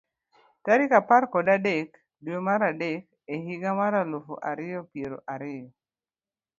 Tarik apar kod adek, dwe mar adek, e higa mar elufu ariyo piero ariyo.